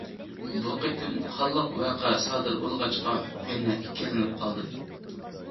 بۇ قېتىم «قانلىق» ۋەقە سادىر بولغاچقا يەنە ئىككىلىنىپ قالدىم.